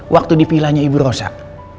waktu di pilahnya ibu rosak